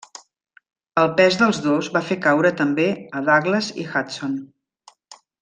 El pes dels dos va fer caure també a Douglas i Hudson.